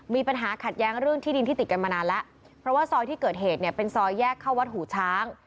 มีปัญหาขัดแย้งเรื่องที่ดินที่ติดกันมานานแล้วเพราะว่าซอยที่เกิดเหตุเนี่ยเป็นซอยแยกเข้าวัดหูช้าง